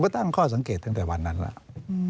ก็ตั้งข้อสังเกตตั้งแต่วันนั้นแล้ว